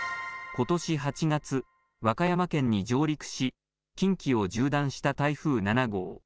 ことし８月、和歌山県に上陸し近畿を縦断した台風７号。